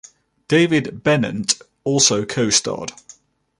David Bennent also co-starred.